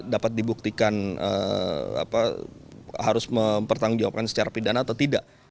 dapat dibuktikan harus mempertanggungjawabkan secara pidana atau tidak